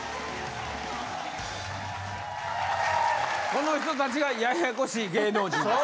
この人たちがややこしい芸能人です。